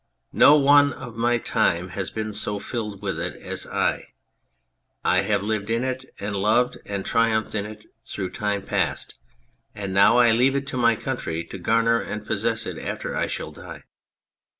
No one of my time has been so filled with it as I ; I have lived in it and loved and triumphed in it through time past, and now I leave it to my country to garner and possess it after I shall die.